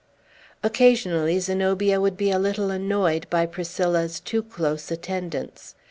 Occasionally Zenobia would be a little annoyed by Priscilla's too close attendance.